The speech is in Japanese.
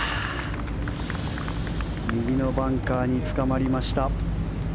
右のバンカーにつかまりました。